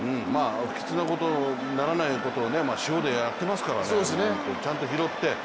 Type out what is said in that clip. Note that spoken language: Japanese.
不吉なことにならないことを、塩でやってますからちゃんと拾って。